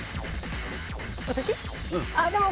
私？